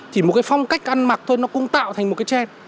chỉ một cái phong cách ăn mặc thôi nó cũng tạo thành một cái tre